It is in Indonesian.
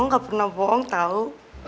mama gak pernah bohong tau